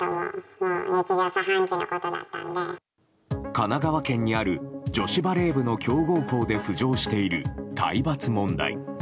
神奈川県にある女子バレー部の強豪校で浮上している、体罰問題。